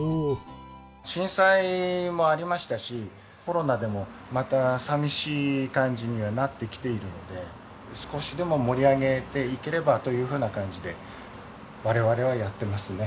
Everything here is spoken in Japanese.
震災もありましたしコロナでもまた寂しい感じにはなってきているので少しでも盛り上げていければというふうな感じで我々はやってますね。